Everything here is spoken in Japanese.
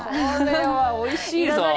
これはおいしいぞ。